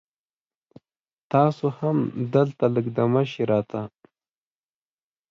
تاسو هم دلته لږ دمه شي را ته